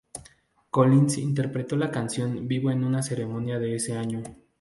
Collins interpretó la canción vivo en una ceremonia de ese año.